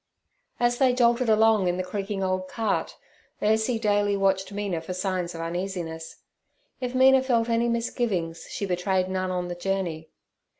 As they jolted along, in the creaking old cart, Ursie daily watched Mina for signs of uneasiness. If Mina felt any misgivings she betrayed none on the journey.